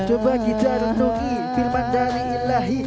coba kita renungi firman dari ilahi